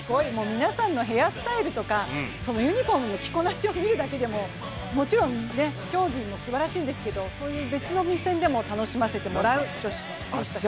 皆さんのヘアスタイルとかユニフォームの着こなしを見るだけでももちろん競技もすばらしいんですけれども、別の目線でも楽しませてもらう女子選手たち。